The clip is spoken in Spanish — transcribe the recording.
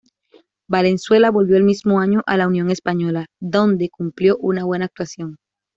Valenzuela volvió el mismo año a la Unión Española, donde cumplió una buena actuación.